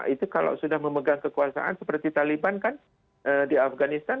itu kalau sudah memegang kekuasaan seperti taliban kan di afganistan